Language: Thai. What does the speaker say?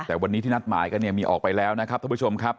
แต่วันนี้ที่นัดหมายกันเนี่ยมีออกไปแล้วนะครับท่านผู้ชมครับ